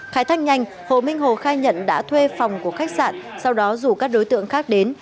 khai thác nhanh hồ minh hồ khai nhận đã thuê phòng của khách sạn sau đó rủ các đối tượng khác đến